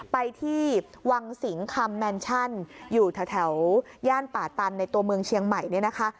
ไปที่วังสิงคำแมนชั่นอยู่แถวย่านป่าตันในตัวเมืองเชียงใหม่เนี่ยนะคะ